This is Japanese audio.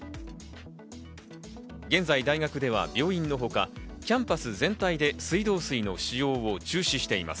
現在大学では病院のほか、キャンパス全体で水道水の使用を中止しています。